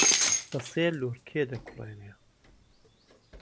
بەسێ لۆرکێ دەکوڵێنێ